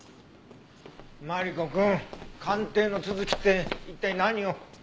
マリコくん鑑定の続きって一体何を？